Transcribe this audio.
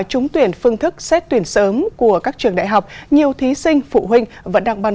trúng tuyển phương thức xét tuyển sớm của các trường đại học nhiều thí sinh phụ huynh vẫn đang bàn